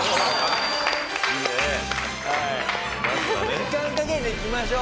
時間かけていきましょう。